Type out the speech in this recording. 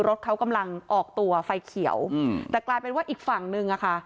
รถเขากำลังออกตัวไฟเขียวอืมแต่กลายเป็นว่าอีกฝั่งนึงอะค่ะ